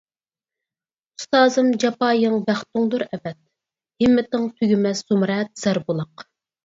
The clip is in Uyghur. ئۇستازىم جاپايىڭ بەختىڭدۇر ئەبەد، ھىممىتىڭ تۈگىمەس زۇمرەت زەر بۇلاق.